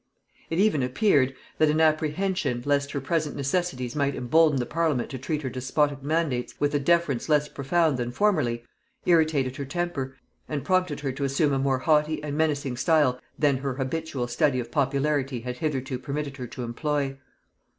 It even appeared, that an apprehension lest her present necessities might embolden the parliament to treat her despotic mandates with a deference less profound than formerly, irritated her temper, and prompted her to assume a more haughty and menacing style than her habitual study of popularity had hitherto permitted her to employ.